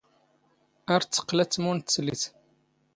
ⴰⵔ ⵜⴻⵜⵜⵇⵇⵍ ⴰⴷ ⵜⵎⵓⵏ ⴷ ⵜⵙⵍⵉⵜ.